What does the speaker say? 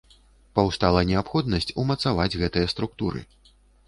Паўстала неабходнасць умацаваць гэтыя структуры.